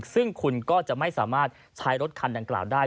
ซึ่งคุณก็จะไม่สามารถใช้รถคันดังกล่าวได้